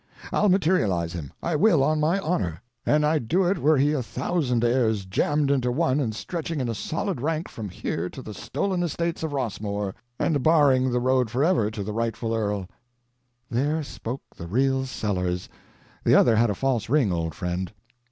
I'll materialise him—I will, on my honor—and I'd do it were he a thousand heirs jammed into one and stretching in a solid rank from here to the stolen estates of Rossmore, and barring the road forever to the rightful earl! "There spoke the real Sellers—the other had a false ring, old friend."